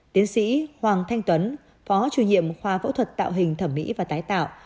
tiến sĩ hoàng thanh tuấn phó chủ nhiệm khoa phẫu thuật tạo hình thẩm mỹ và tái tạo